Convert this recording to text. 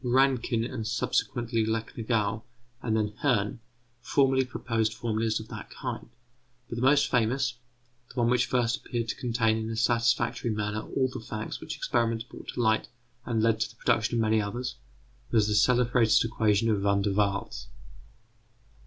Rankin and, subsequently, Recknagel, and then Hirn, formerly proposed formulas of that kind; but the most famous, the one which first appeared to contain in a satisfactory manner all the facts which experiments brought to light and led to the production of many others, was the celebrated equation of Van der Waals.